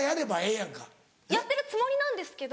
やってるつもりなんですけど。